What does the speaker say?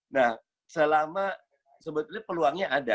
nah selama sebetulnya peluangnya ada